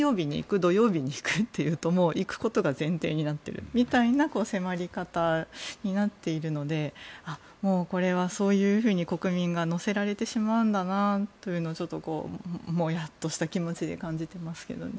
土曜日に行く？と言うと行くことが前提になっているみたいな迫り方になっているのでこれはそういうふうに国民が乗せられてしまうんだなというのをもやっとした気持ちで感じていますけどね。